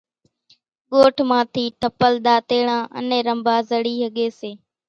ڳوٺ مان ٿِي ٺپل ۮاتيڙان انين رنڀا زڙِي ۿڳيَ سي۔